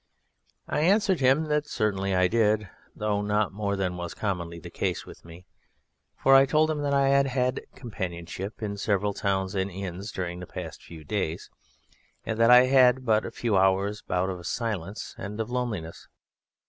I answered him that certainly I did, though not more than was commonly the case with me, for I told him that I had had companionship in several towns and inns during the past few days, and that I had had but a few hours' bout of silence and of loneliness.